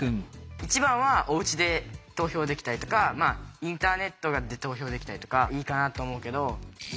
一番はおうちで投票できたりとかインターネットで投票できたりとかいいかなと思うけど。